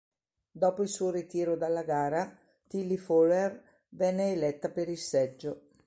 Dopo il suo ritiro dalla gara, Tillie Fowler venne eletta per il seggio.